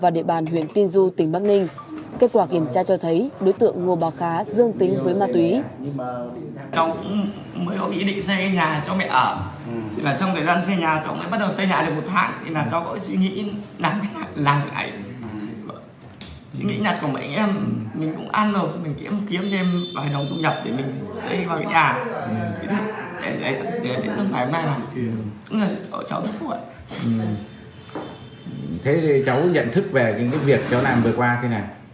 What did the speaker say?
đại cháu muốn nói